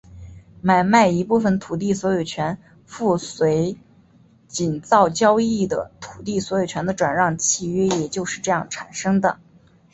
买卖一部分土地所有权附随井灶交易的土地所有权的转让契约也就是这样产生的。